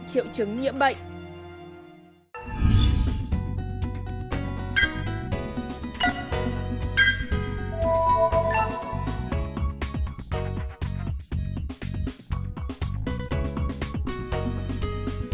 chịu chứng nhiễm bệnh